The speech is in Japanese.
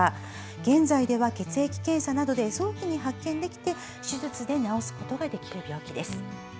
現在では血液検査などで早期に発見できて手術で治すことができる病気です。